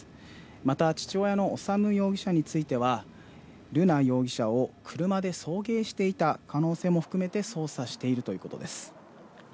また、父親の修容疑者については、瑠奈容疑者を車で送迎していた可能性も含めて捜査しているということです。